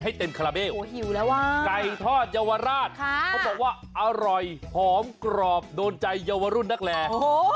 ให้เต็มคาราเบลโอ้โหหิวแล้วอ่ะไก่ทอดเยาวราชเขาบอกว่าอร่อยหอมกรอบโดนใจเยาวรุ่นนักแล